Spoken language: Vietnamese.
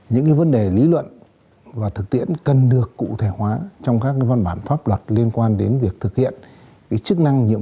những vấn đề lý luận và thực tiễn cần được cụ thể hóa trong các văn bản pháp luật liên quan đến việc thực hiện chức năng nhiệm vụ quyền hạn của công an nhân dân